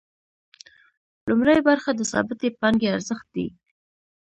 لومړۍ برخه د ثابتې پانګې ارزښت دی